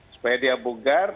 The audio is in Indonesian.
supaya dia bugar